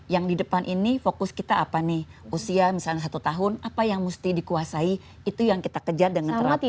yang di depan ini fokus kita apa nih usia misalnya satu tahun apa yang mesti dikuasai itu yang kita kejar dengan terapi